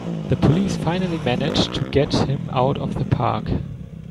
The police finally manage to get him out of the park!